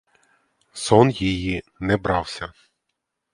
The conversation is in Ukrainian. Сон її не брався.